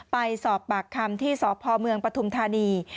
ไปสอบปากคำที่สพเมืองปฐุมธานี